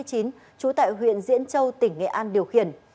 trú tại huyện diễn châu tỉnh nghệ an điều khiển